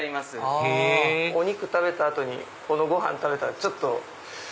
へぇお肉食べた後にこのご飯食べたらちょっと。